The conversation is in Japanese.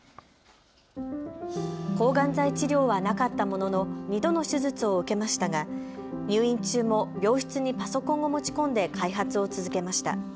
抗がん剤治療はなかったものの２度の手術を受けましたが入院中も病室にパソコンを持ち込んで開発を続けました。